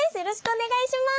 お願いします。